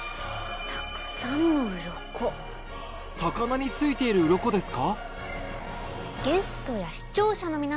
魚についているウロコですか？